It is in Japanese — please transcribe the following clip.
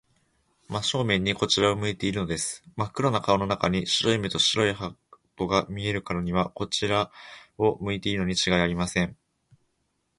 真正面にこちらを向いているのです。まっ黒な顔の中に、白い目と白い歯とが見えるからには、こちらを向いているのにちがいありません。